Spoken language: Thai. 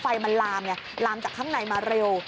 ไฟมันลามไงลามจากข้างในมาเร็ว